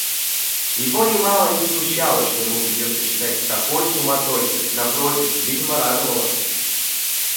Его нимало не смущало, что ему придется читать в такой суматохе, напротив, видимо радовало.